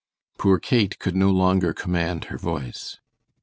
Poor Kate could no longer command her voice.